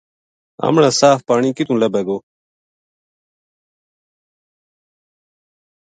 ہمنا صاف پانی کِتو لبھے گو ؟